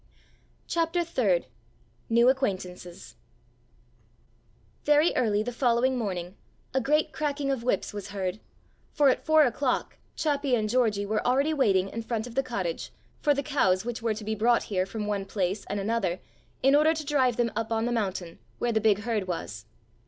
*CHAPTER THIRD* *NEW ACQUAINTANCES* Very early the following morning a great cracking of whips was heard, for at four o'clock Chappi and Georgie were already waiting in front of the cottage for the cows which were to be brought here from one place and another in order to drive them up on the mountain, where the big herd was.